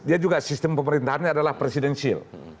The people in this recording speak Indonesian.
dia juga sistem pemerintahannya adalah presidensil